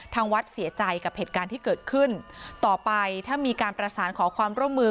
ทางวัดเสียใจกับเหตุการณ์ที่เกิดขึ้นต่อไปถ้ามีการประสานขอความร่วมมือ